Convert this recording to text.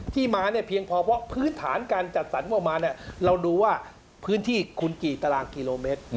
มาเนี่ยเพียงพอเพราะพื้นฐานการจัดสรรงบประมาณเราดูว่าพื้นที่คุณกี่ตารางกิโลเมตร